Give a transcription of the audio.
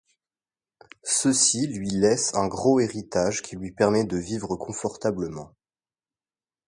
Ceux-ci lui laissent un gros héritage qui lui permet de vivre confortablement.